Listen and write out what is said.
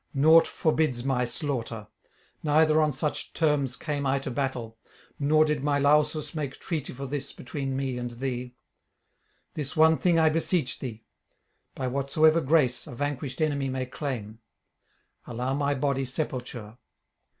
Naught forbids my slaughter; neither on such terms came I to battle, nor did my Lausus make treaty for this between me and thee. This one thing I beseech thee, by whatsoever grace a vanquished enemy may claim: allow my body sepulture.